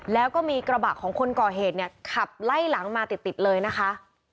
แล้วก็มีกระบะของคนก่อเหตุเนี่ยขับไล่หลังมาติดเลยนะคะ